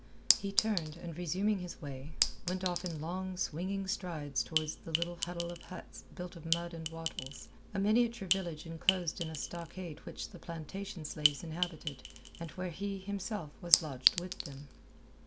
He turned, and resuming his way, went off in long, swinging strides towards the little huddle of huts built of mud and wattles a miniature village enclosed in a stockade which the plantation slaves inhabited, and where he, himself, was lodged with them.